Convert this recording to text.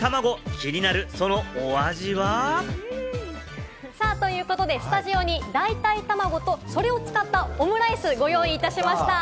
気になる、そのお味は？ということでスタジオに代替たまごと、それを使ったオムライス、ご用意いたしました。